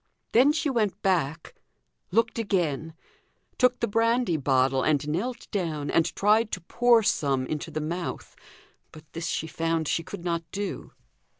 Then she went back looked again; took the brandy bottle, and knelt down, and tried to pour some into the mouth; but this she found she could not do.